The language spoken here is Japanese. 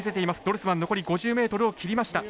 ドルスマン残り５０ｍを切りました。